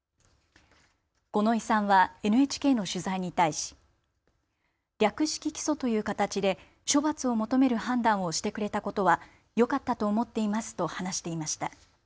五ノ井さんはＮＨＫの取材に対し略式起訴という形で処罰を求める判断をしてくれたことはよかったと思っていますと話していました。